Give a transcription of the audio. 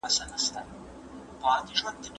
د الوتکې پېلوټ په انګریزي خبرې کولې.